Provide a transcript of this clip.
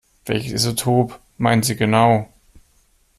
Welches Isotop meinen Sie genau?